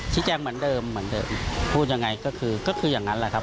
ชี้แจงเหมือนเดิมเหมือนเดิมพูดยังไงก็คือก็คืออย่างนั้นแหละครับ